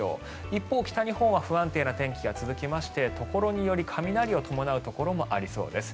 一方、北日本は不安定な天気が続きましてところにより雷を伴うところもありそうです。